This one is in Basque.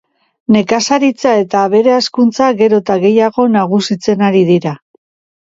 Nekazaritza eta abere-hazkuntza gero eta gehiago nagusitzen ari dira.